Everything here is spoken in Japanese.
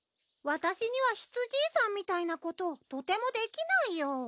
私にはひつじいさんみたいなこととてもできないよ。